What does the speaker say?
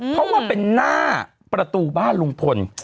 เพราะว่าเป็นหน้าประตูบ้านลุงพล